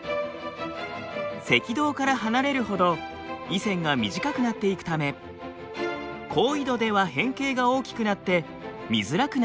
赤道から離れるほど緯線が短くなっていくため高緯度では変形が大きくなって見づらくなっています。